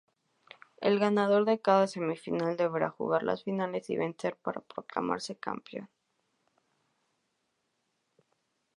El ganador de cada semi-final deberá jugar las finales y vencer para proclamarse campeón.